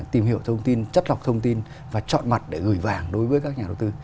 tìm hiểu thông tin chất lọc thông tin và chọn mặt để gửi vàng đối với các nhà đầu tư